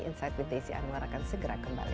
insight with desi anwar akan segera kembali